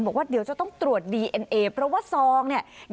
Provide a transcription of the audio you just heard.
บอกว่าเดี๋ยวจะต้องตรวจดีเอ็นเอเพราะว่าซองเนี่ย